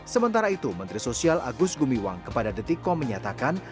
sementara itu menteri sosial agus gumiwang kepada detikom menyatakan